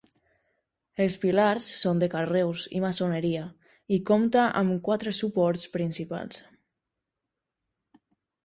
Els pilars són de carreus i maçoneria i compta amb quatre suports principals.